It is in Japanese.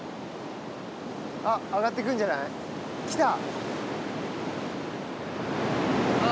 あっ、上がってくるんじゃない？来た。